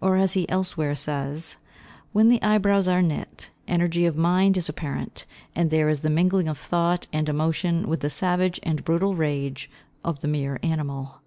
Or, as he elsewhere says, "when the eyebrows are knit, energy of mind is apparent, and there is the mingling of thought and emotion with the savage and brutal rage of the mere animal."